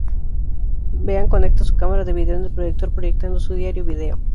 Bean conecta su cámara de video en el proyector, proyectando su diario-video.